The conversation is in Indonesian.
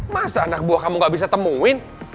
masa anak buah kamu gak bisa temuin